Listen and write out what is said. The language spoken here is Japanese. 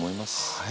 はい。